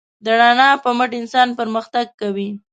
د رڼا په مټ انسان پرمختګ کوي.